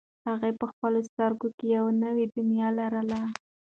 هغې په خپلو سترګو کې یوه نوې دنیا لرله.